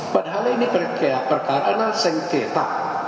padahal ini perkara adalah sengketa